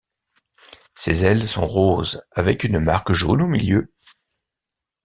Ses ailes sont roses avec une marque jaune au milieu.